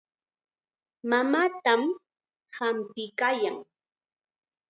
Mamaatam hampiykaayan.